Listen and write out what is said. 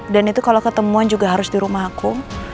dan itu kalau ketemuan juga harus di rumah aku